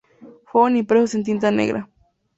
Fueron impresos en tinta negra.